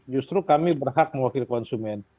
justru kami berhak mewakili konsumen